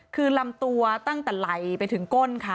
คือลำตัวตั้งแต่ไหล่ไปถึงก้นค่ะ